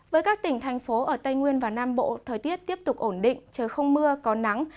với các tỉnh thành phố ở tây nguyên và nam bộ thời tiết tiếp tục ổn định trời không mưa có nắng